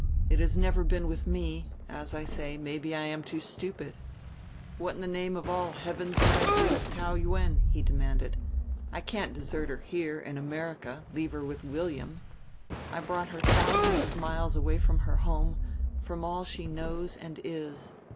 It has never been with me; as I say, maybe I am too stupid. "What in the name of all the heavens would I do with Taou Yuen?" he demanded. "I can't desert her here, in America, leave her with William. I brought her thousands of miles away from her home, from all she knows and is.